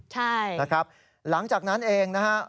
หลังจากนั้นเองนะฮะ